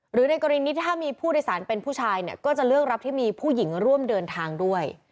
ในกรณีนี้ถ้ามีผู้โดยสารเป็นผู้ชายเนี่ยก็จะเลือกรับที่มีผู้หญิงร่วมเดินทางด้วย